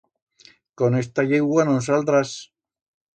Con esta yeugua no'n saldrás.